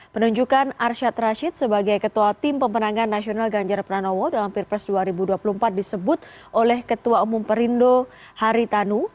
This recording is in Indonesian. penunjukan arsyad rashid sebagai ketua tim pemenangan nasional ganjar pranowo dalam pilpres dua ribu dua puluh empat disebut oleh ketua umum perindo haritanu